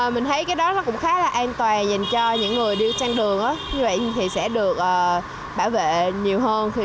mình thấy cái đó nó cũng khá là an toàn dành cho những người đi trên đường như vậy thì sẽ được bảo vệ nhiều hơn